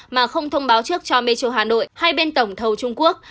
mà không thông báo trước cho metro hà nội hai bên tổng thầu trung quốc